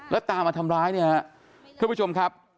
แล้วตามท่อมาทำร้ายเพื่อผู้ชมครับ